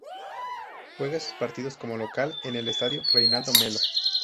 Juega sus partidos como local en el estadio Reinaldo Melo.